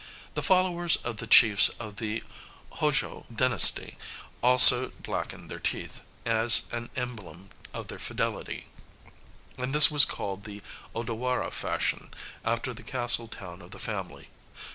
The followers of the chiefs of the Hôjô dynasty also blackened their teeth, as an emblem of their fidelity; and this was called the Odawara fashion, after the castle town of the family.